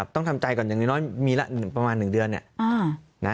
ต้องทำใจก่อนอย่างน้อยมีละประมาณ๑เดือน